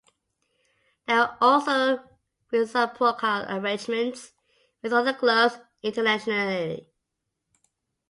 There are also reciprocal arrangements with other clubs internationally.